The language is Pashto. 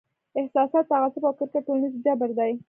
احساسات، تعصب او کرکه ټولنیز جبر دی.